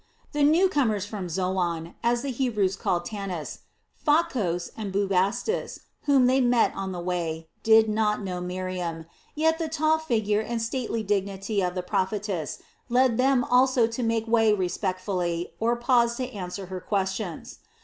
The new comers from Zoan, as the Hebrews called Tanis, Pha kos, and Bubastis, whom they met on the way, did not know Miriam, yet the tall figure and stately dignity of the prophetess led them also to make way respectfully or pause to answer her questions.